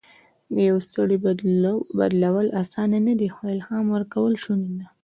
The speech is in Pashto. د یو سړي بدلول اسانه نه دي، خو الهام ورکول شونی ده.